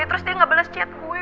terus dia gak balas chat gue